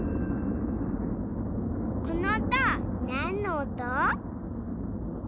このおとなんのおと？